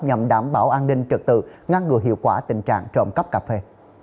nhằm đảm bảo an ninh trật tự ngăn ngừa hiệu quả tình trạng trộm cắp cà phê